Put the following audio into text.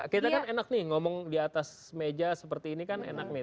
kita kan enak nih ngomong di atas meja seperti ini kan enak nih